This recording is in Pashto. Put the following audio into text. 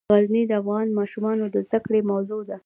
غزني د افغان ماشومانو د زده کړې موضوع ده.